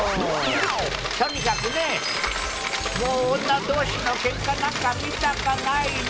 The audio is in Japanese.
とにかくねもう女同士のけんかなんか見たかないの！